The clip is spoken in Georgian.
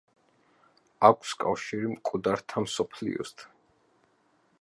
აქვს კავშირი მკვდართა მსოფლიოსთან.